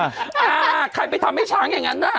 อ่าใครไปทำให้ช้างอย่างนั้นน่ะ